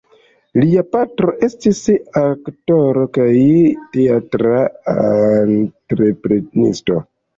Lia patro estis aktoro kaj teatra entreprenisto.